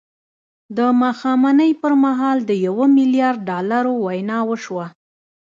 د ماښامنۍ پر مهال د یوه میلیارد ډالرو وینا وشوه